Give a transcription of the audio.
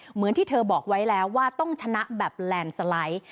เหมือนที่เธอบอกไว้แล้วว่าต้องชนะแบบแลนด์สไลด์